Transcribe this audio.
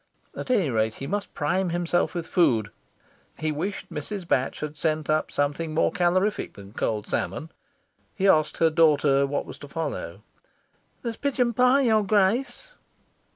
At any rate, he must prime himself with food. He wished Mrs. Batch had sent up something more calorific than cold salmon. He asked her daughter what was to follow. "There's a pigeon pie, your Grace."